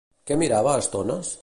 Què mirava a estones?